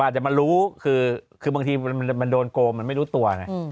อาจจะมารู้คือบางทีมันโดนโกงมันไม่รู้ตัวไง